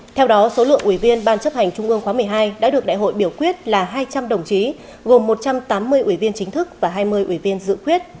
theo đó số lượng ủy viên ban chấp hành trung ương khóa một mươi hai đã được đại hội biểu quyết là hai trăm linh đồng chí gồm một trăm tám mươi ủy viên chính thức và hai mươi ủy viên dự quyết